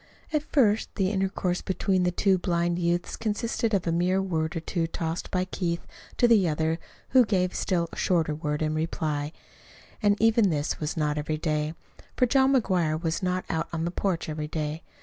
At first the intercourse between the two blind youths consisted of a mere word or two tossed by Keith to the other who gave a still shorter word in reply. And even this was not every day, for John McGuire was not out on the porch every day.